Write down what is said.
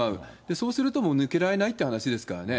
そうするともう抜けられないっていう話ですからね。